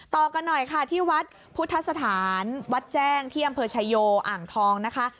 ต่อกันหน่อยค่ะที่วัดพุทธสถานวัดแจ้งที่อำเภอชายโยอ่างทองนะคะ